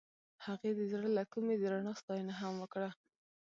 هغې د زړه له کومې د رڼا ستاینه هم وکړه.